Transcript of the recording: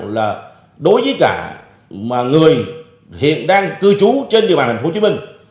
là đối với cả người hiện đang cư trú trên địa bàn tp hcm